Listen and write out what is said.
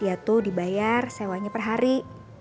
dia tuh dibayar sewanya per hari